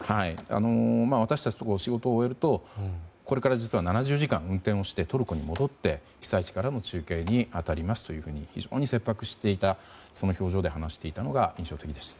私たちが仕事を終えるとこれから実は７０時間運転をしてトルコに戻って被災地からの中継に当たりますと非常に切迫した表情で話していたのが印象的です。